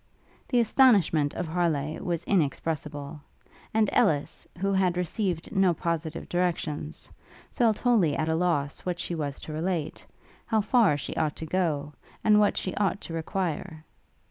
The astonishment of Harleigh was inexpressible; and Ellis, who had received no positive directions, felt wholly at a loss what she was to relate, how far she ought to go, and what she ought to require.